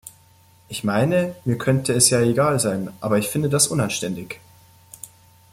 Ich meine, mir könnte es ja egal sein, aber ich finde das unanständig!